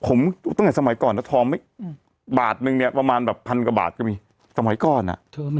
ผมตั้งแต่สมัยก่อนถองไม่บาทนึงเนี่ยประมาณแบบ๑๐๐๐กว่าบาทก็มีอ่ะ